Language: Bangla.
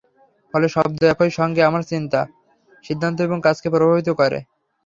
ফলে, শব্দ একই সঙ্গে আমাদের চিন্তা, সিদ্ধান্ত এবং কাজকে প্রভাবিত করে।